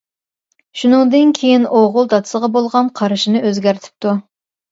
شۇنىڭدىن كېيىن ئوغۇل دادىسىغا بولغان قارىشىنى ئۆزگەرتىپتۇ.